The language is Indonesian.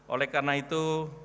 oleh karena itu